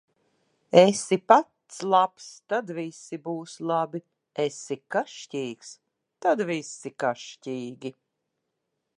Esi pats labs, tad visi būs labi; esi kašķīgs, tad visi kašķīgi.